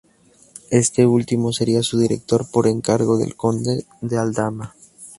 Este último sería su director, por encargo del conde de Aldama.